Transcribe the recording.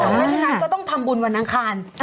ต่างนั้งก็ต้องทำบุญวันอังคาร